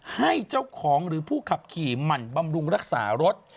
ให้เจ้าของหรือผู้ขับขี่หมั่นบำรุงรักษารถ